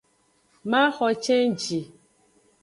Maxo cenji.